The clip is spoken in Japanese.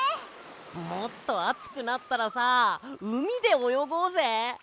もっとあつくなったらさうみでおよごうぜ！